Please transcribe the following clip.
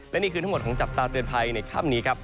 และนี่คือทั้งหมดของจับตาเตือนภัยในค่ำนี้ครับ